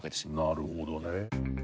なるほどね。